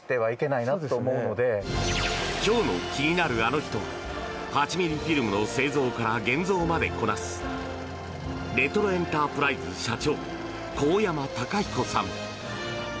今日の気になるアノ人は８ｍｍフィルムの製造から現像までこなすレトロエンタープライズ社長神山隆彦さん。